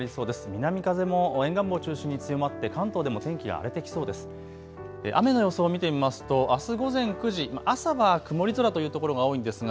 南風も沿岸部を中心に強まって関東でも天気が荒れてきそうです。